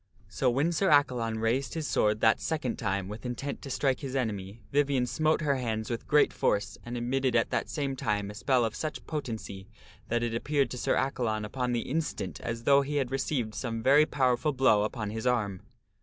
So when Sir Accalon raised his sword that second time with intent to strike his enemy, Vivien smote her hands with great force, and emitted at the same time a spell of Vivien ets a sucn potency that it appeared to Sir Accalon upon the instant spell upon Sir as though he had received some very powerful blow upon his Accalon. arm.